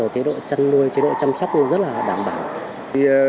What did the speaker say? chế độ chăn nuôi chế độ chăm sóc rất là đảm bảo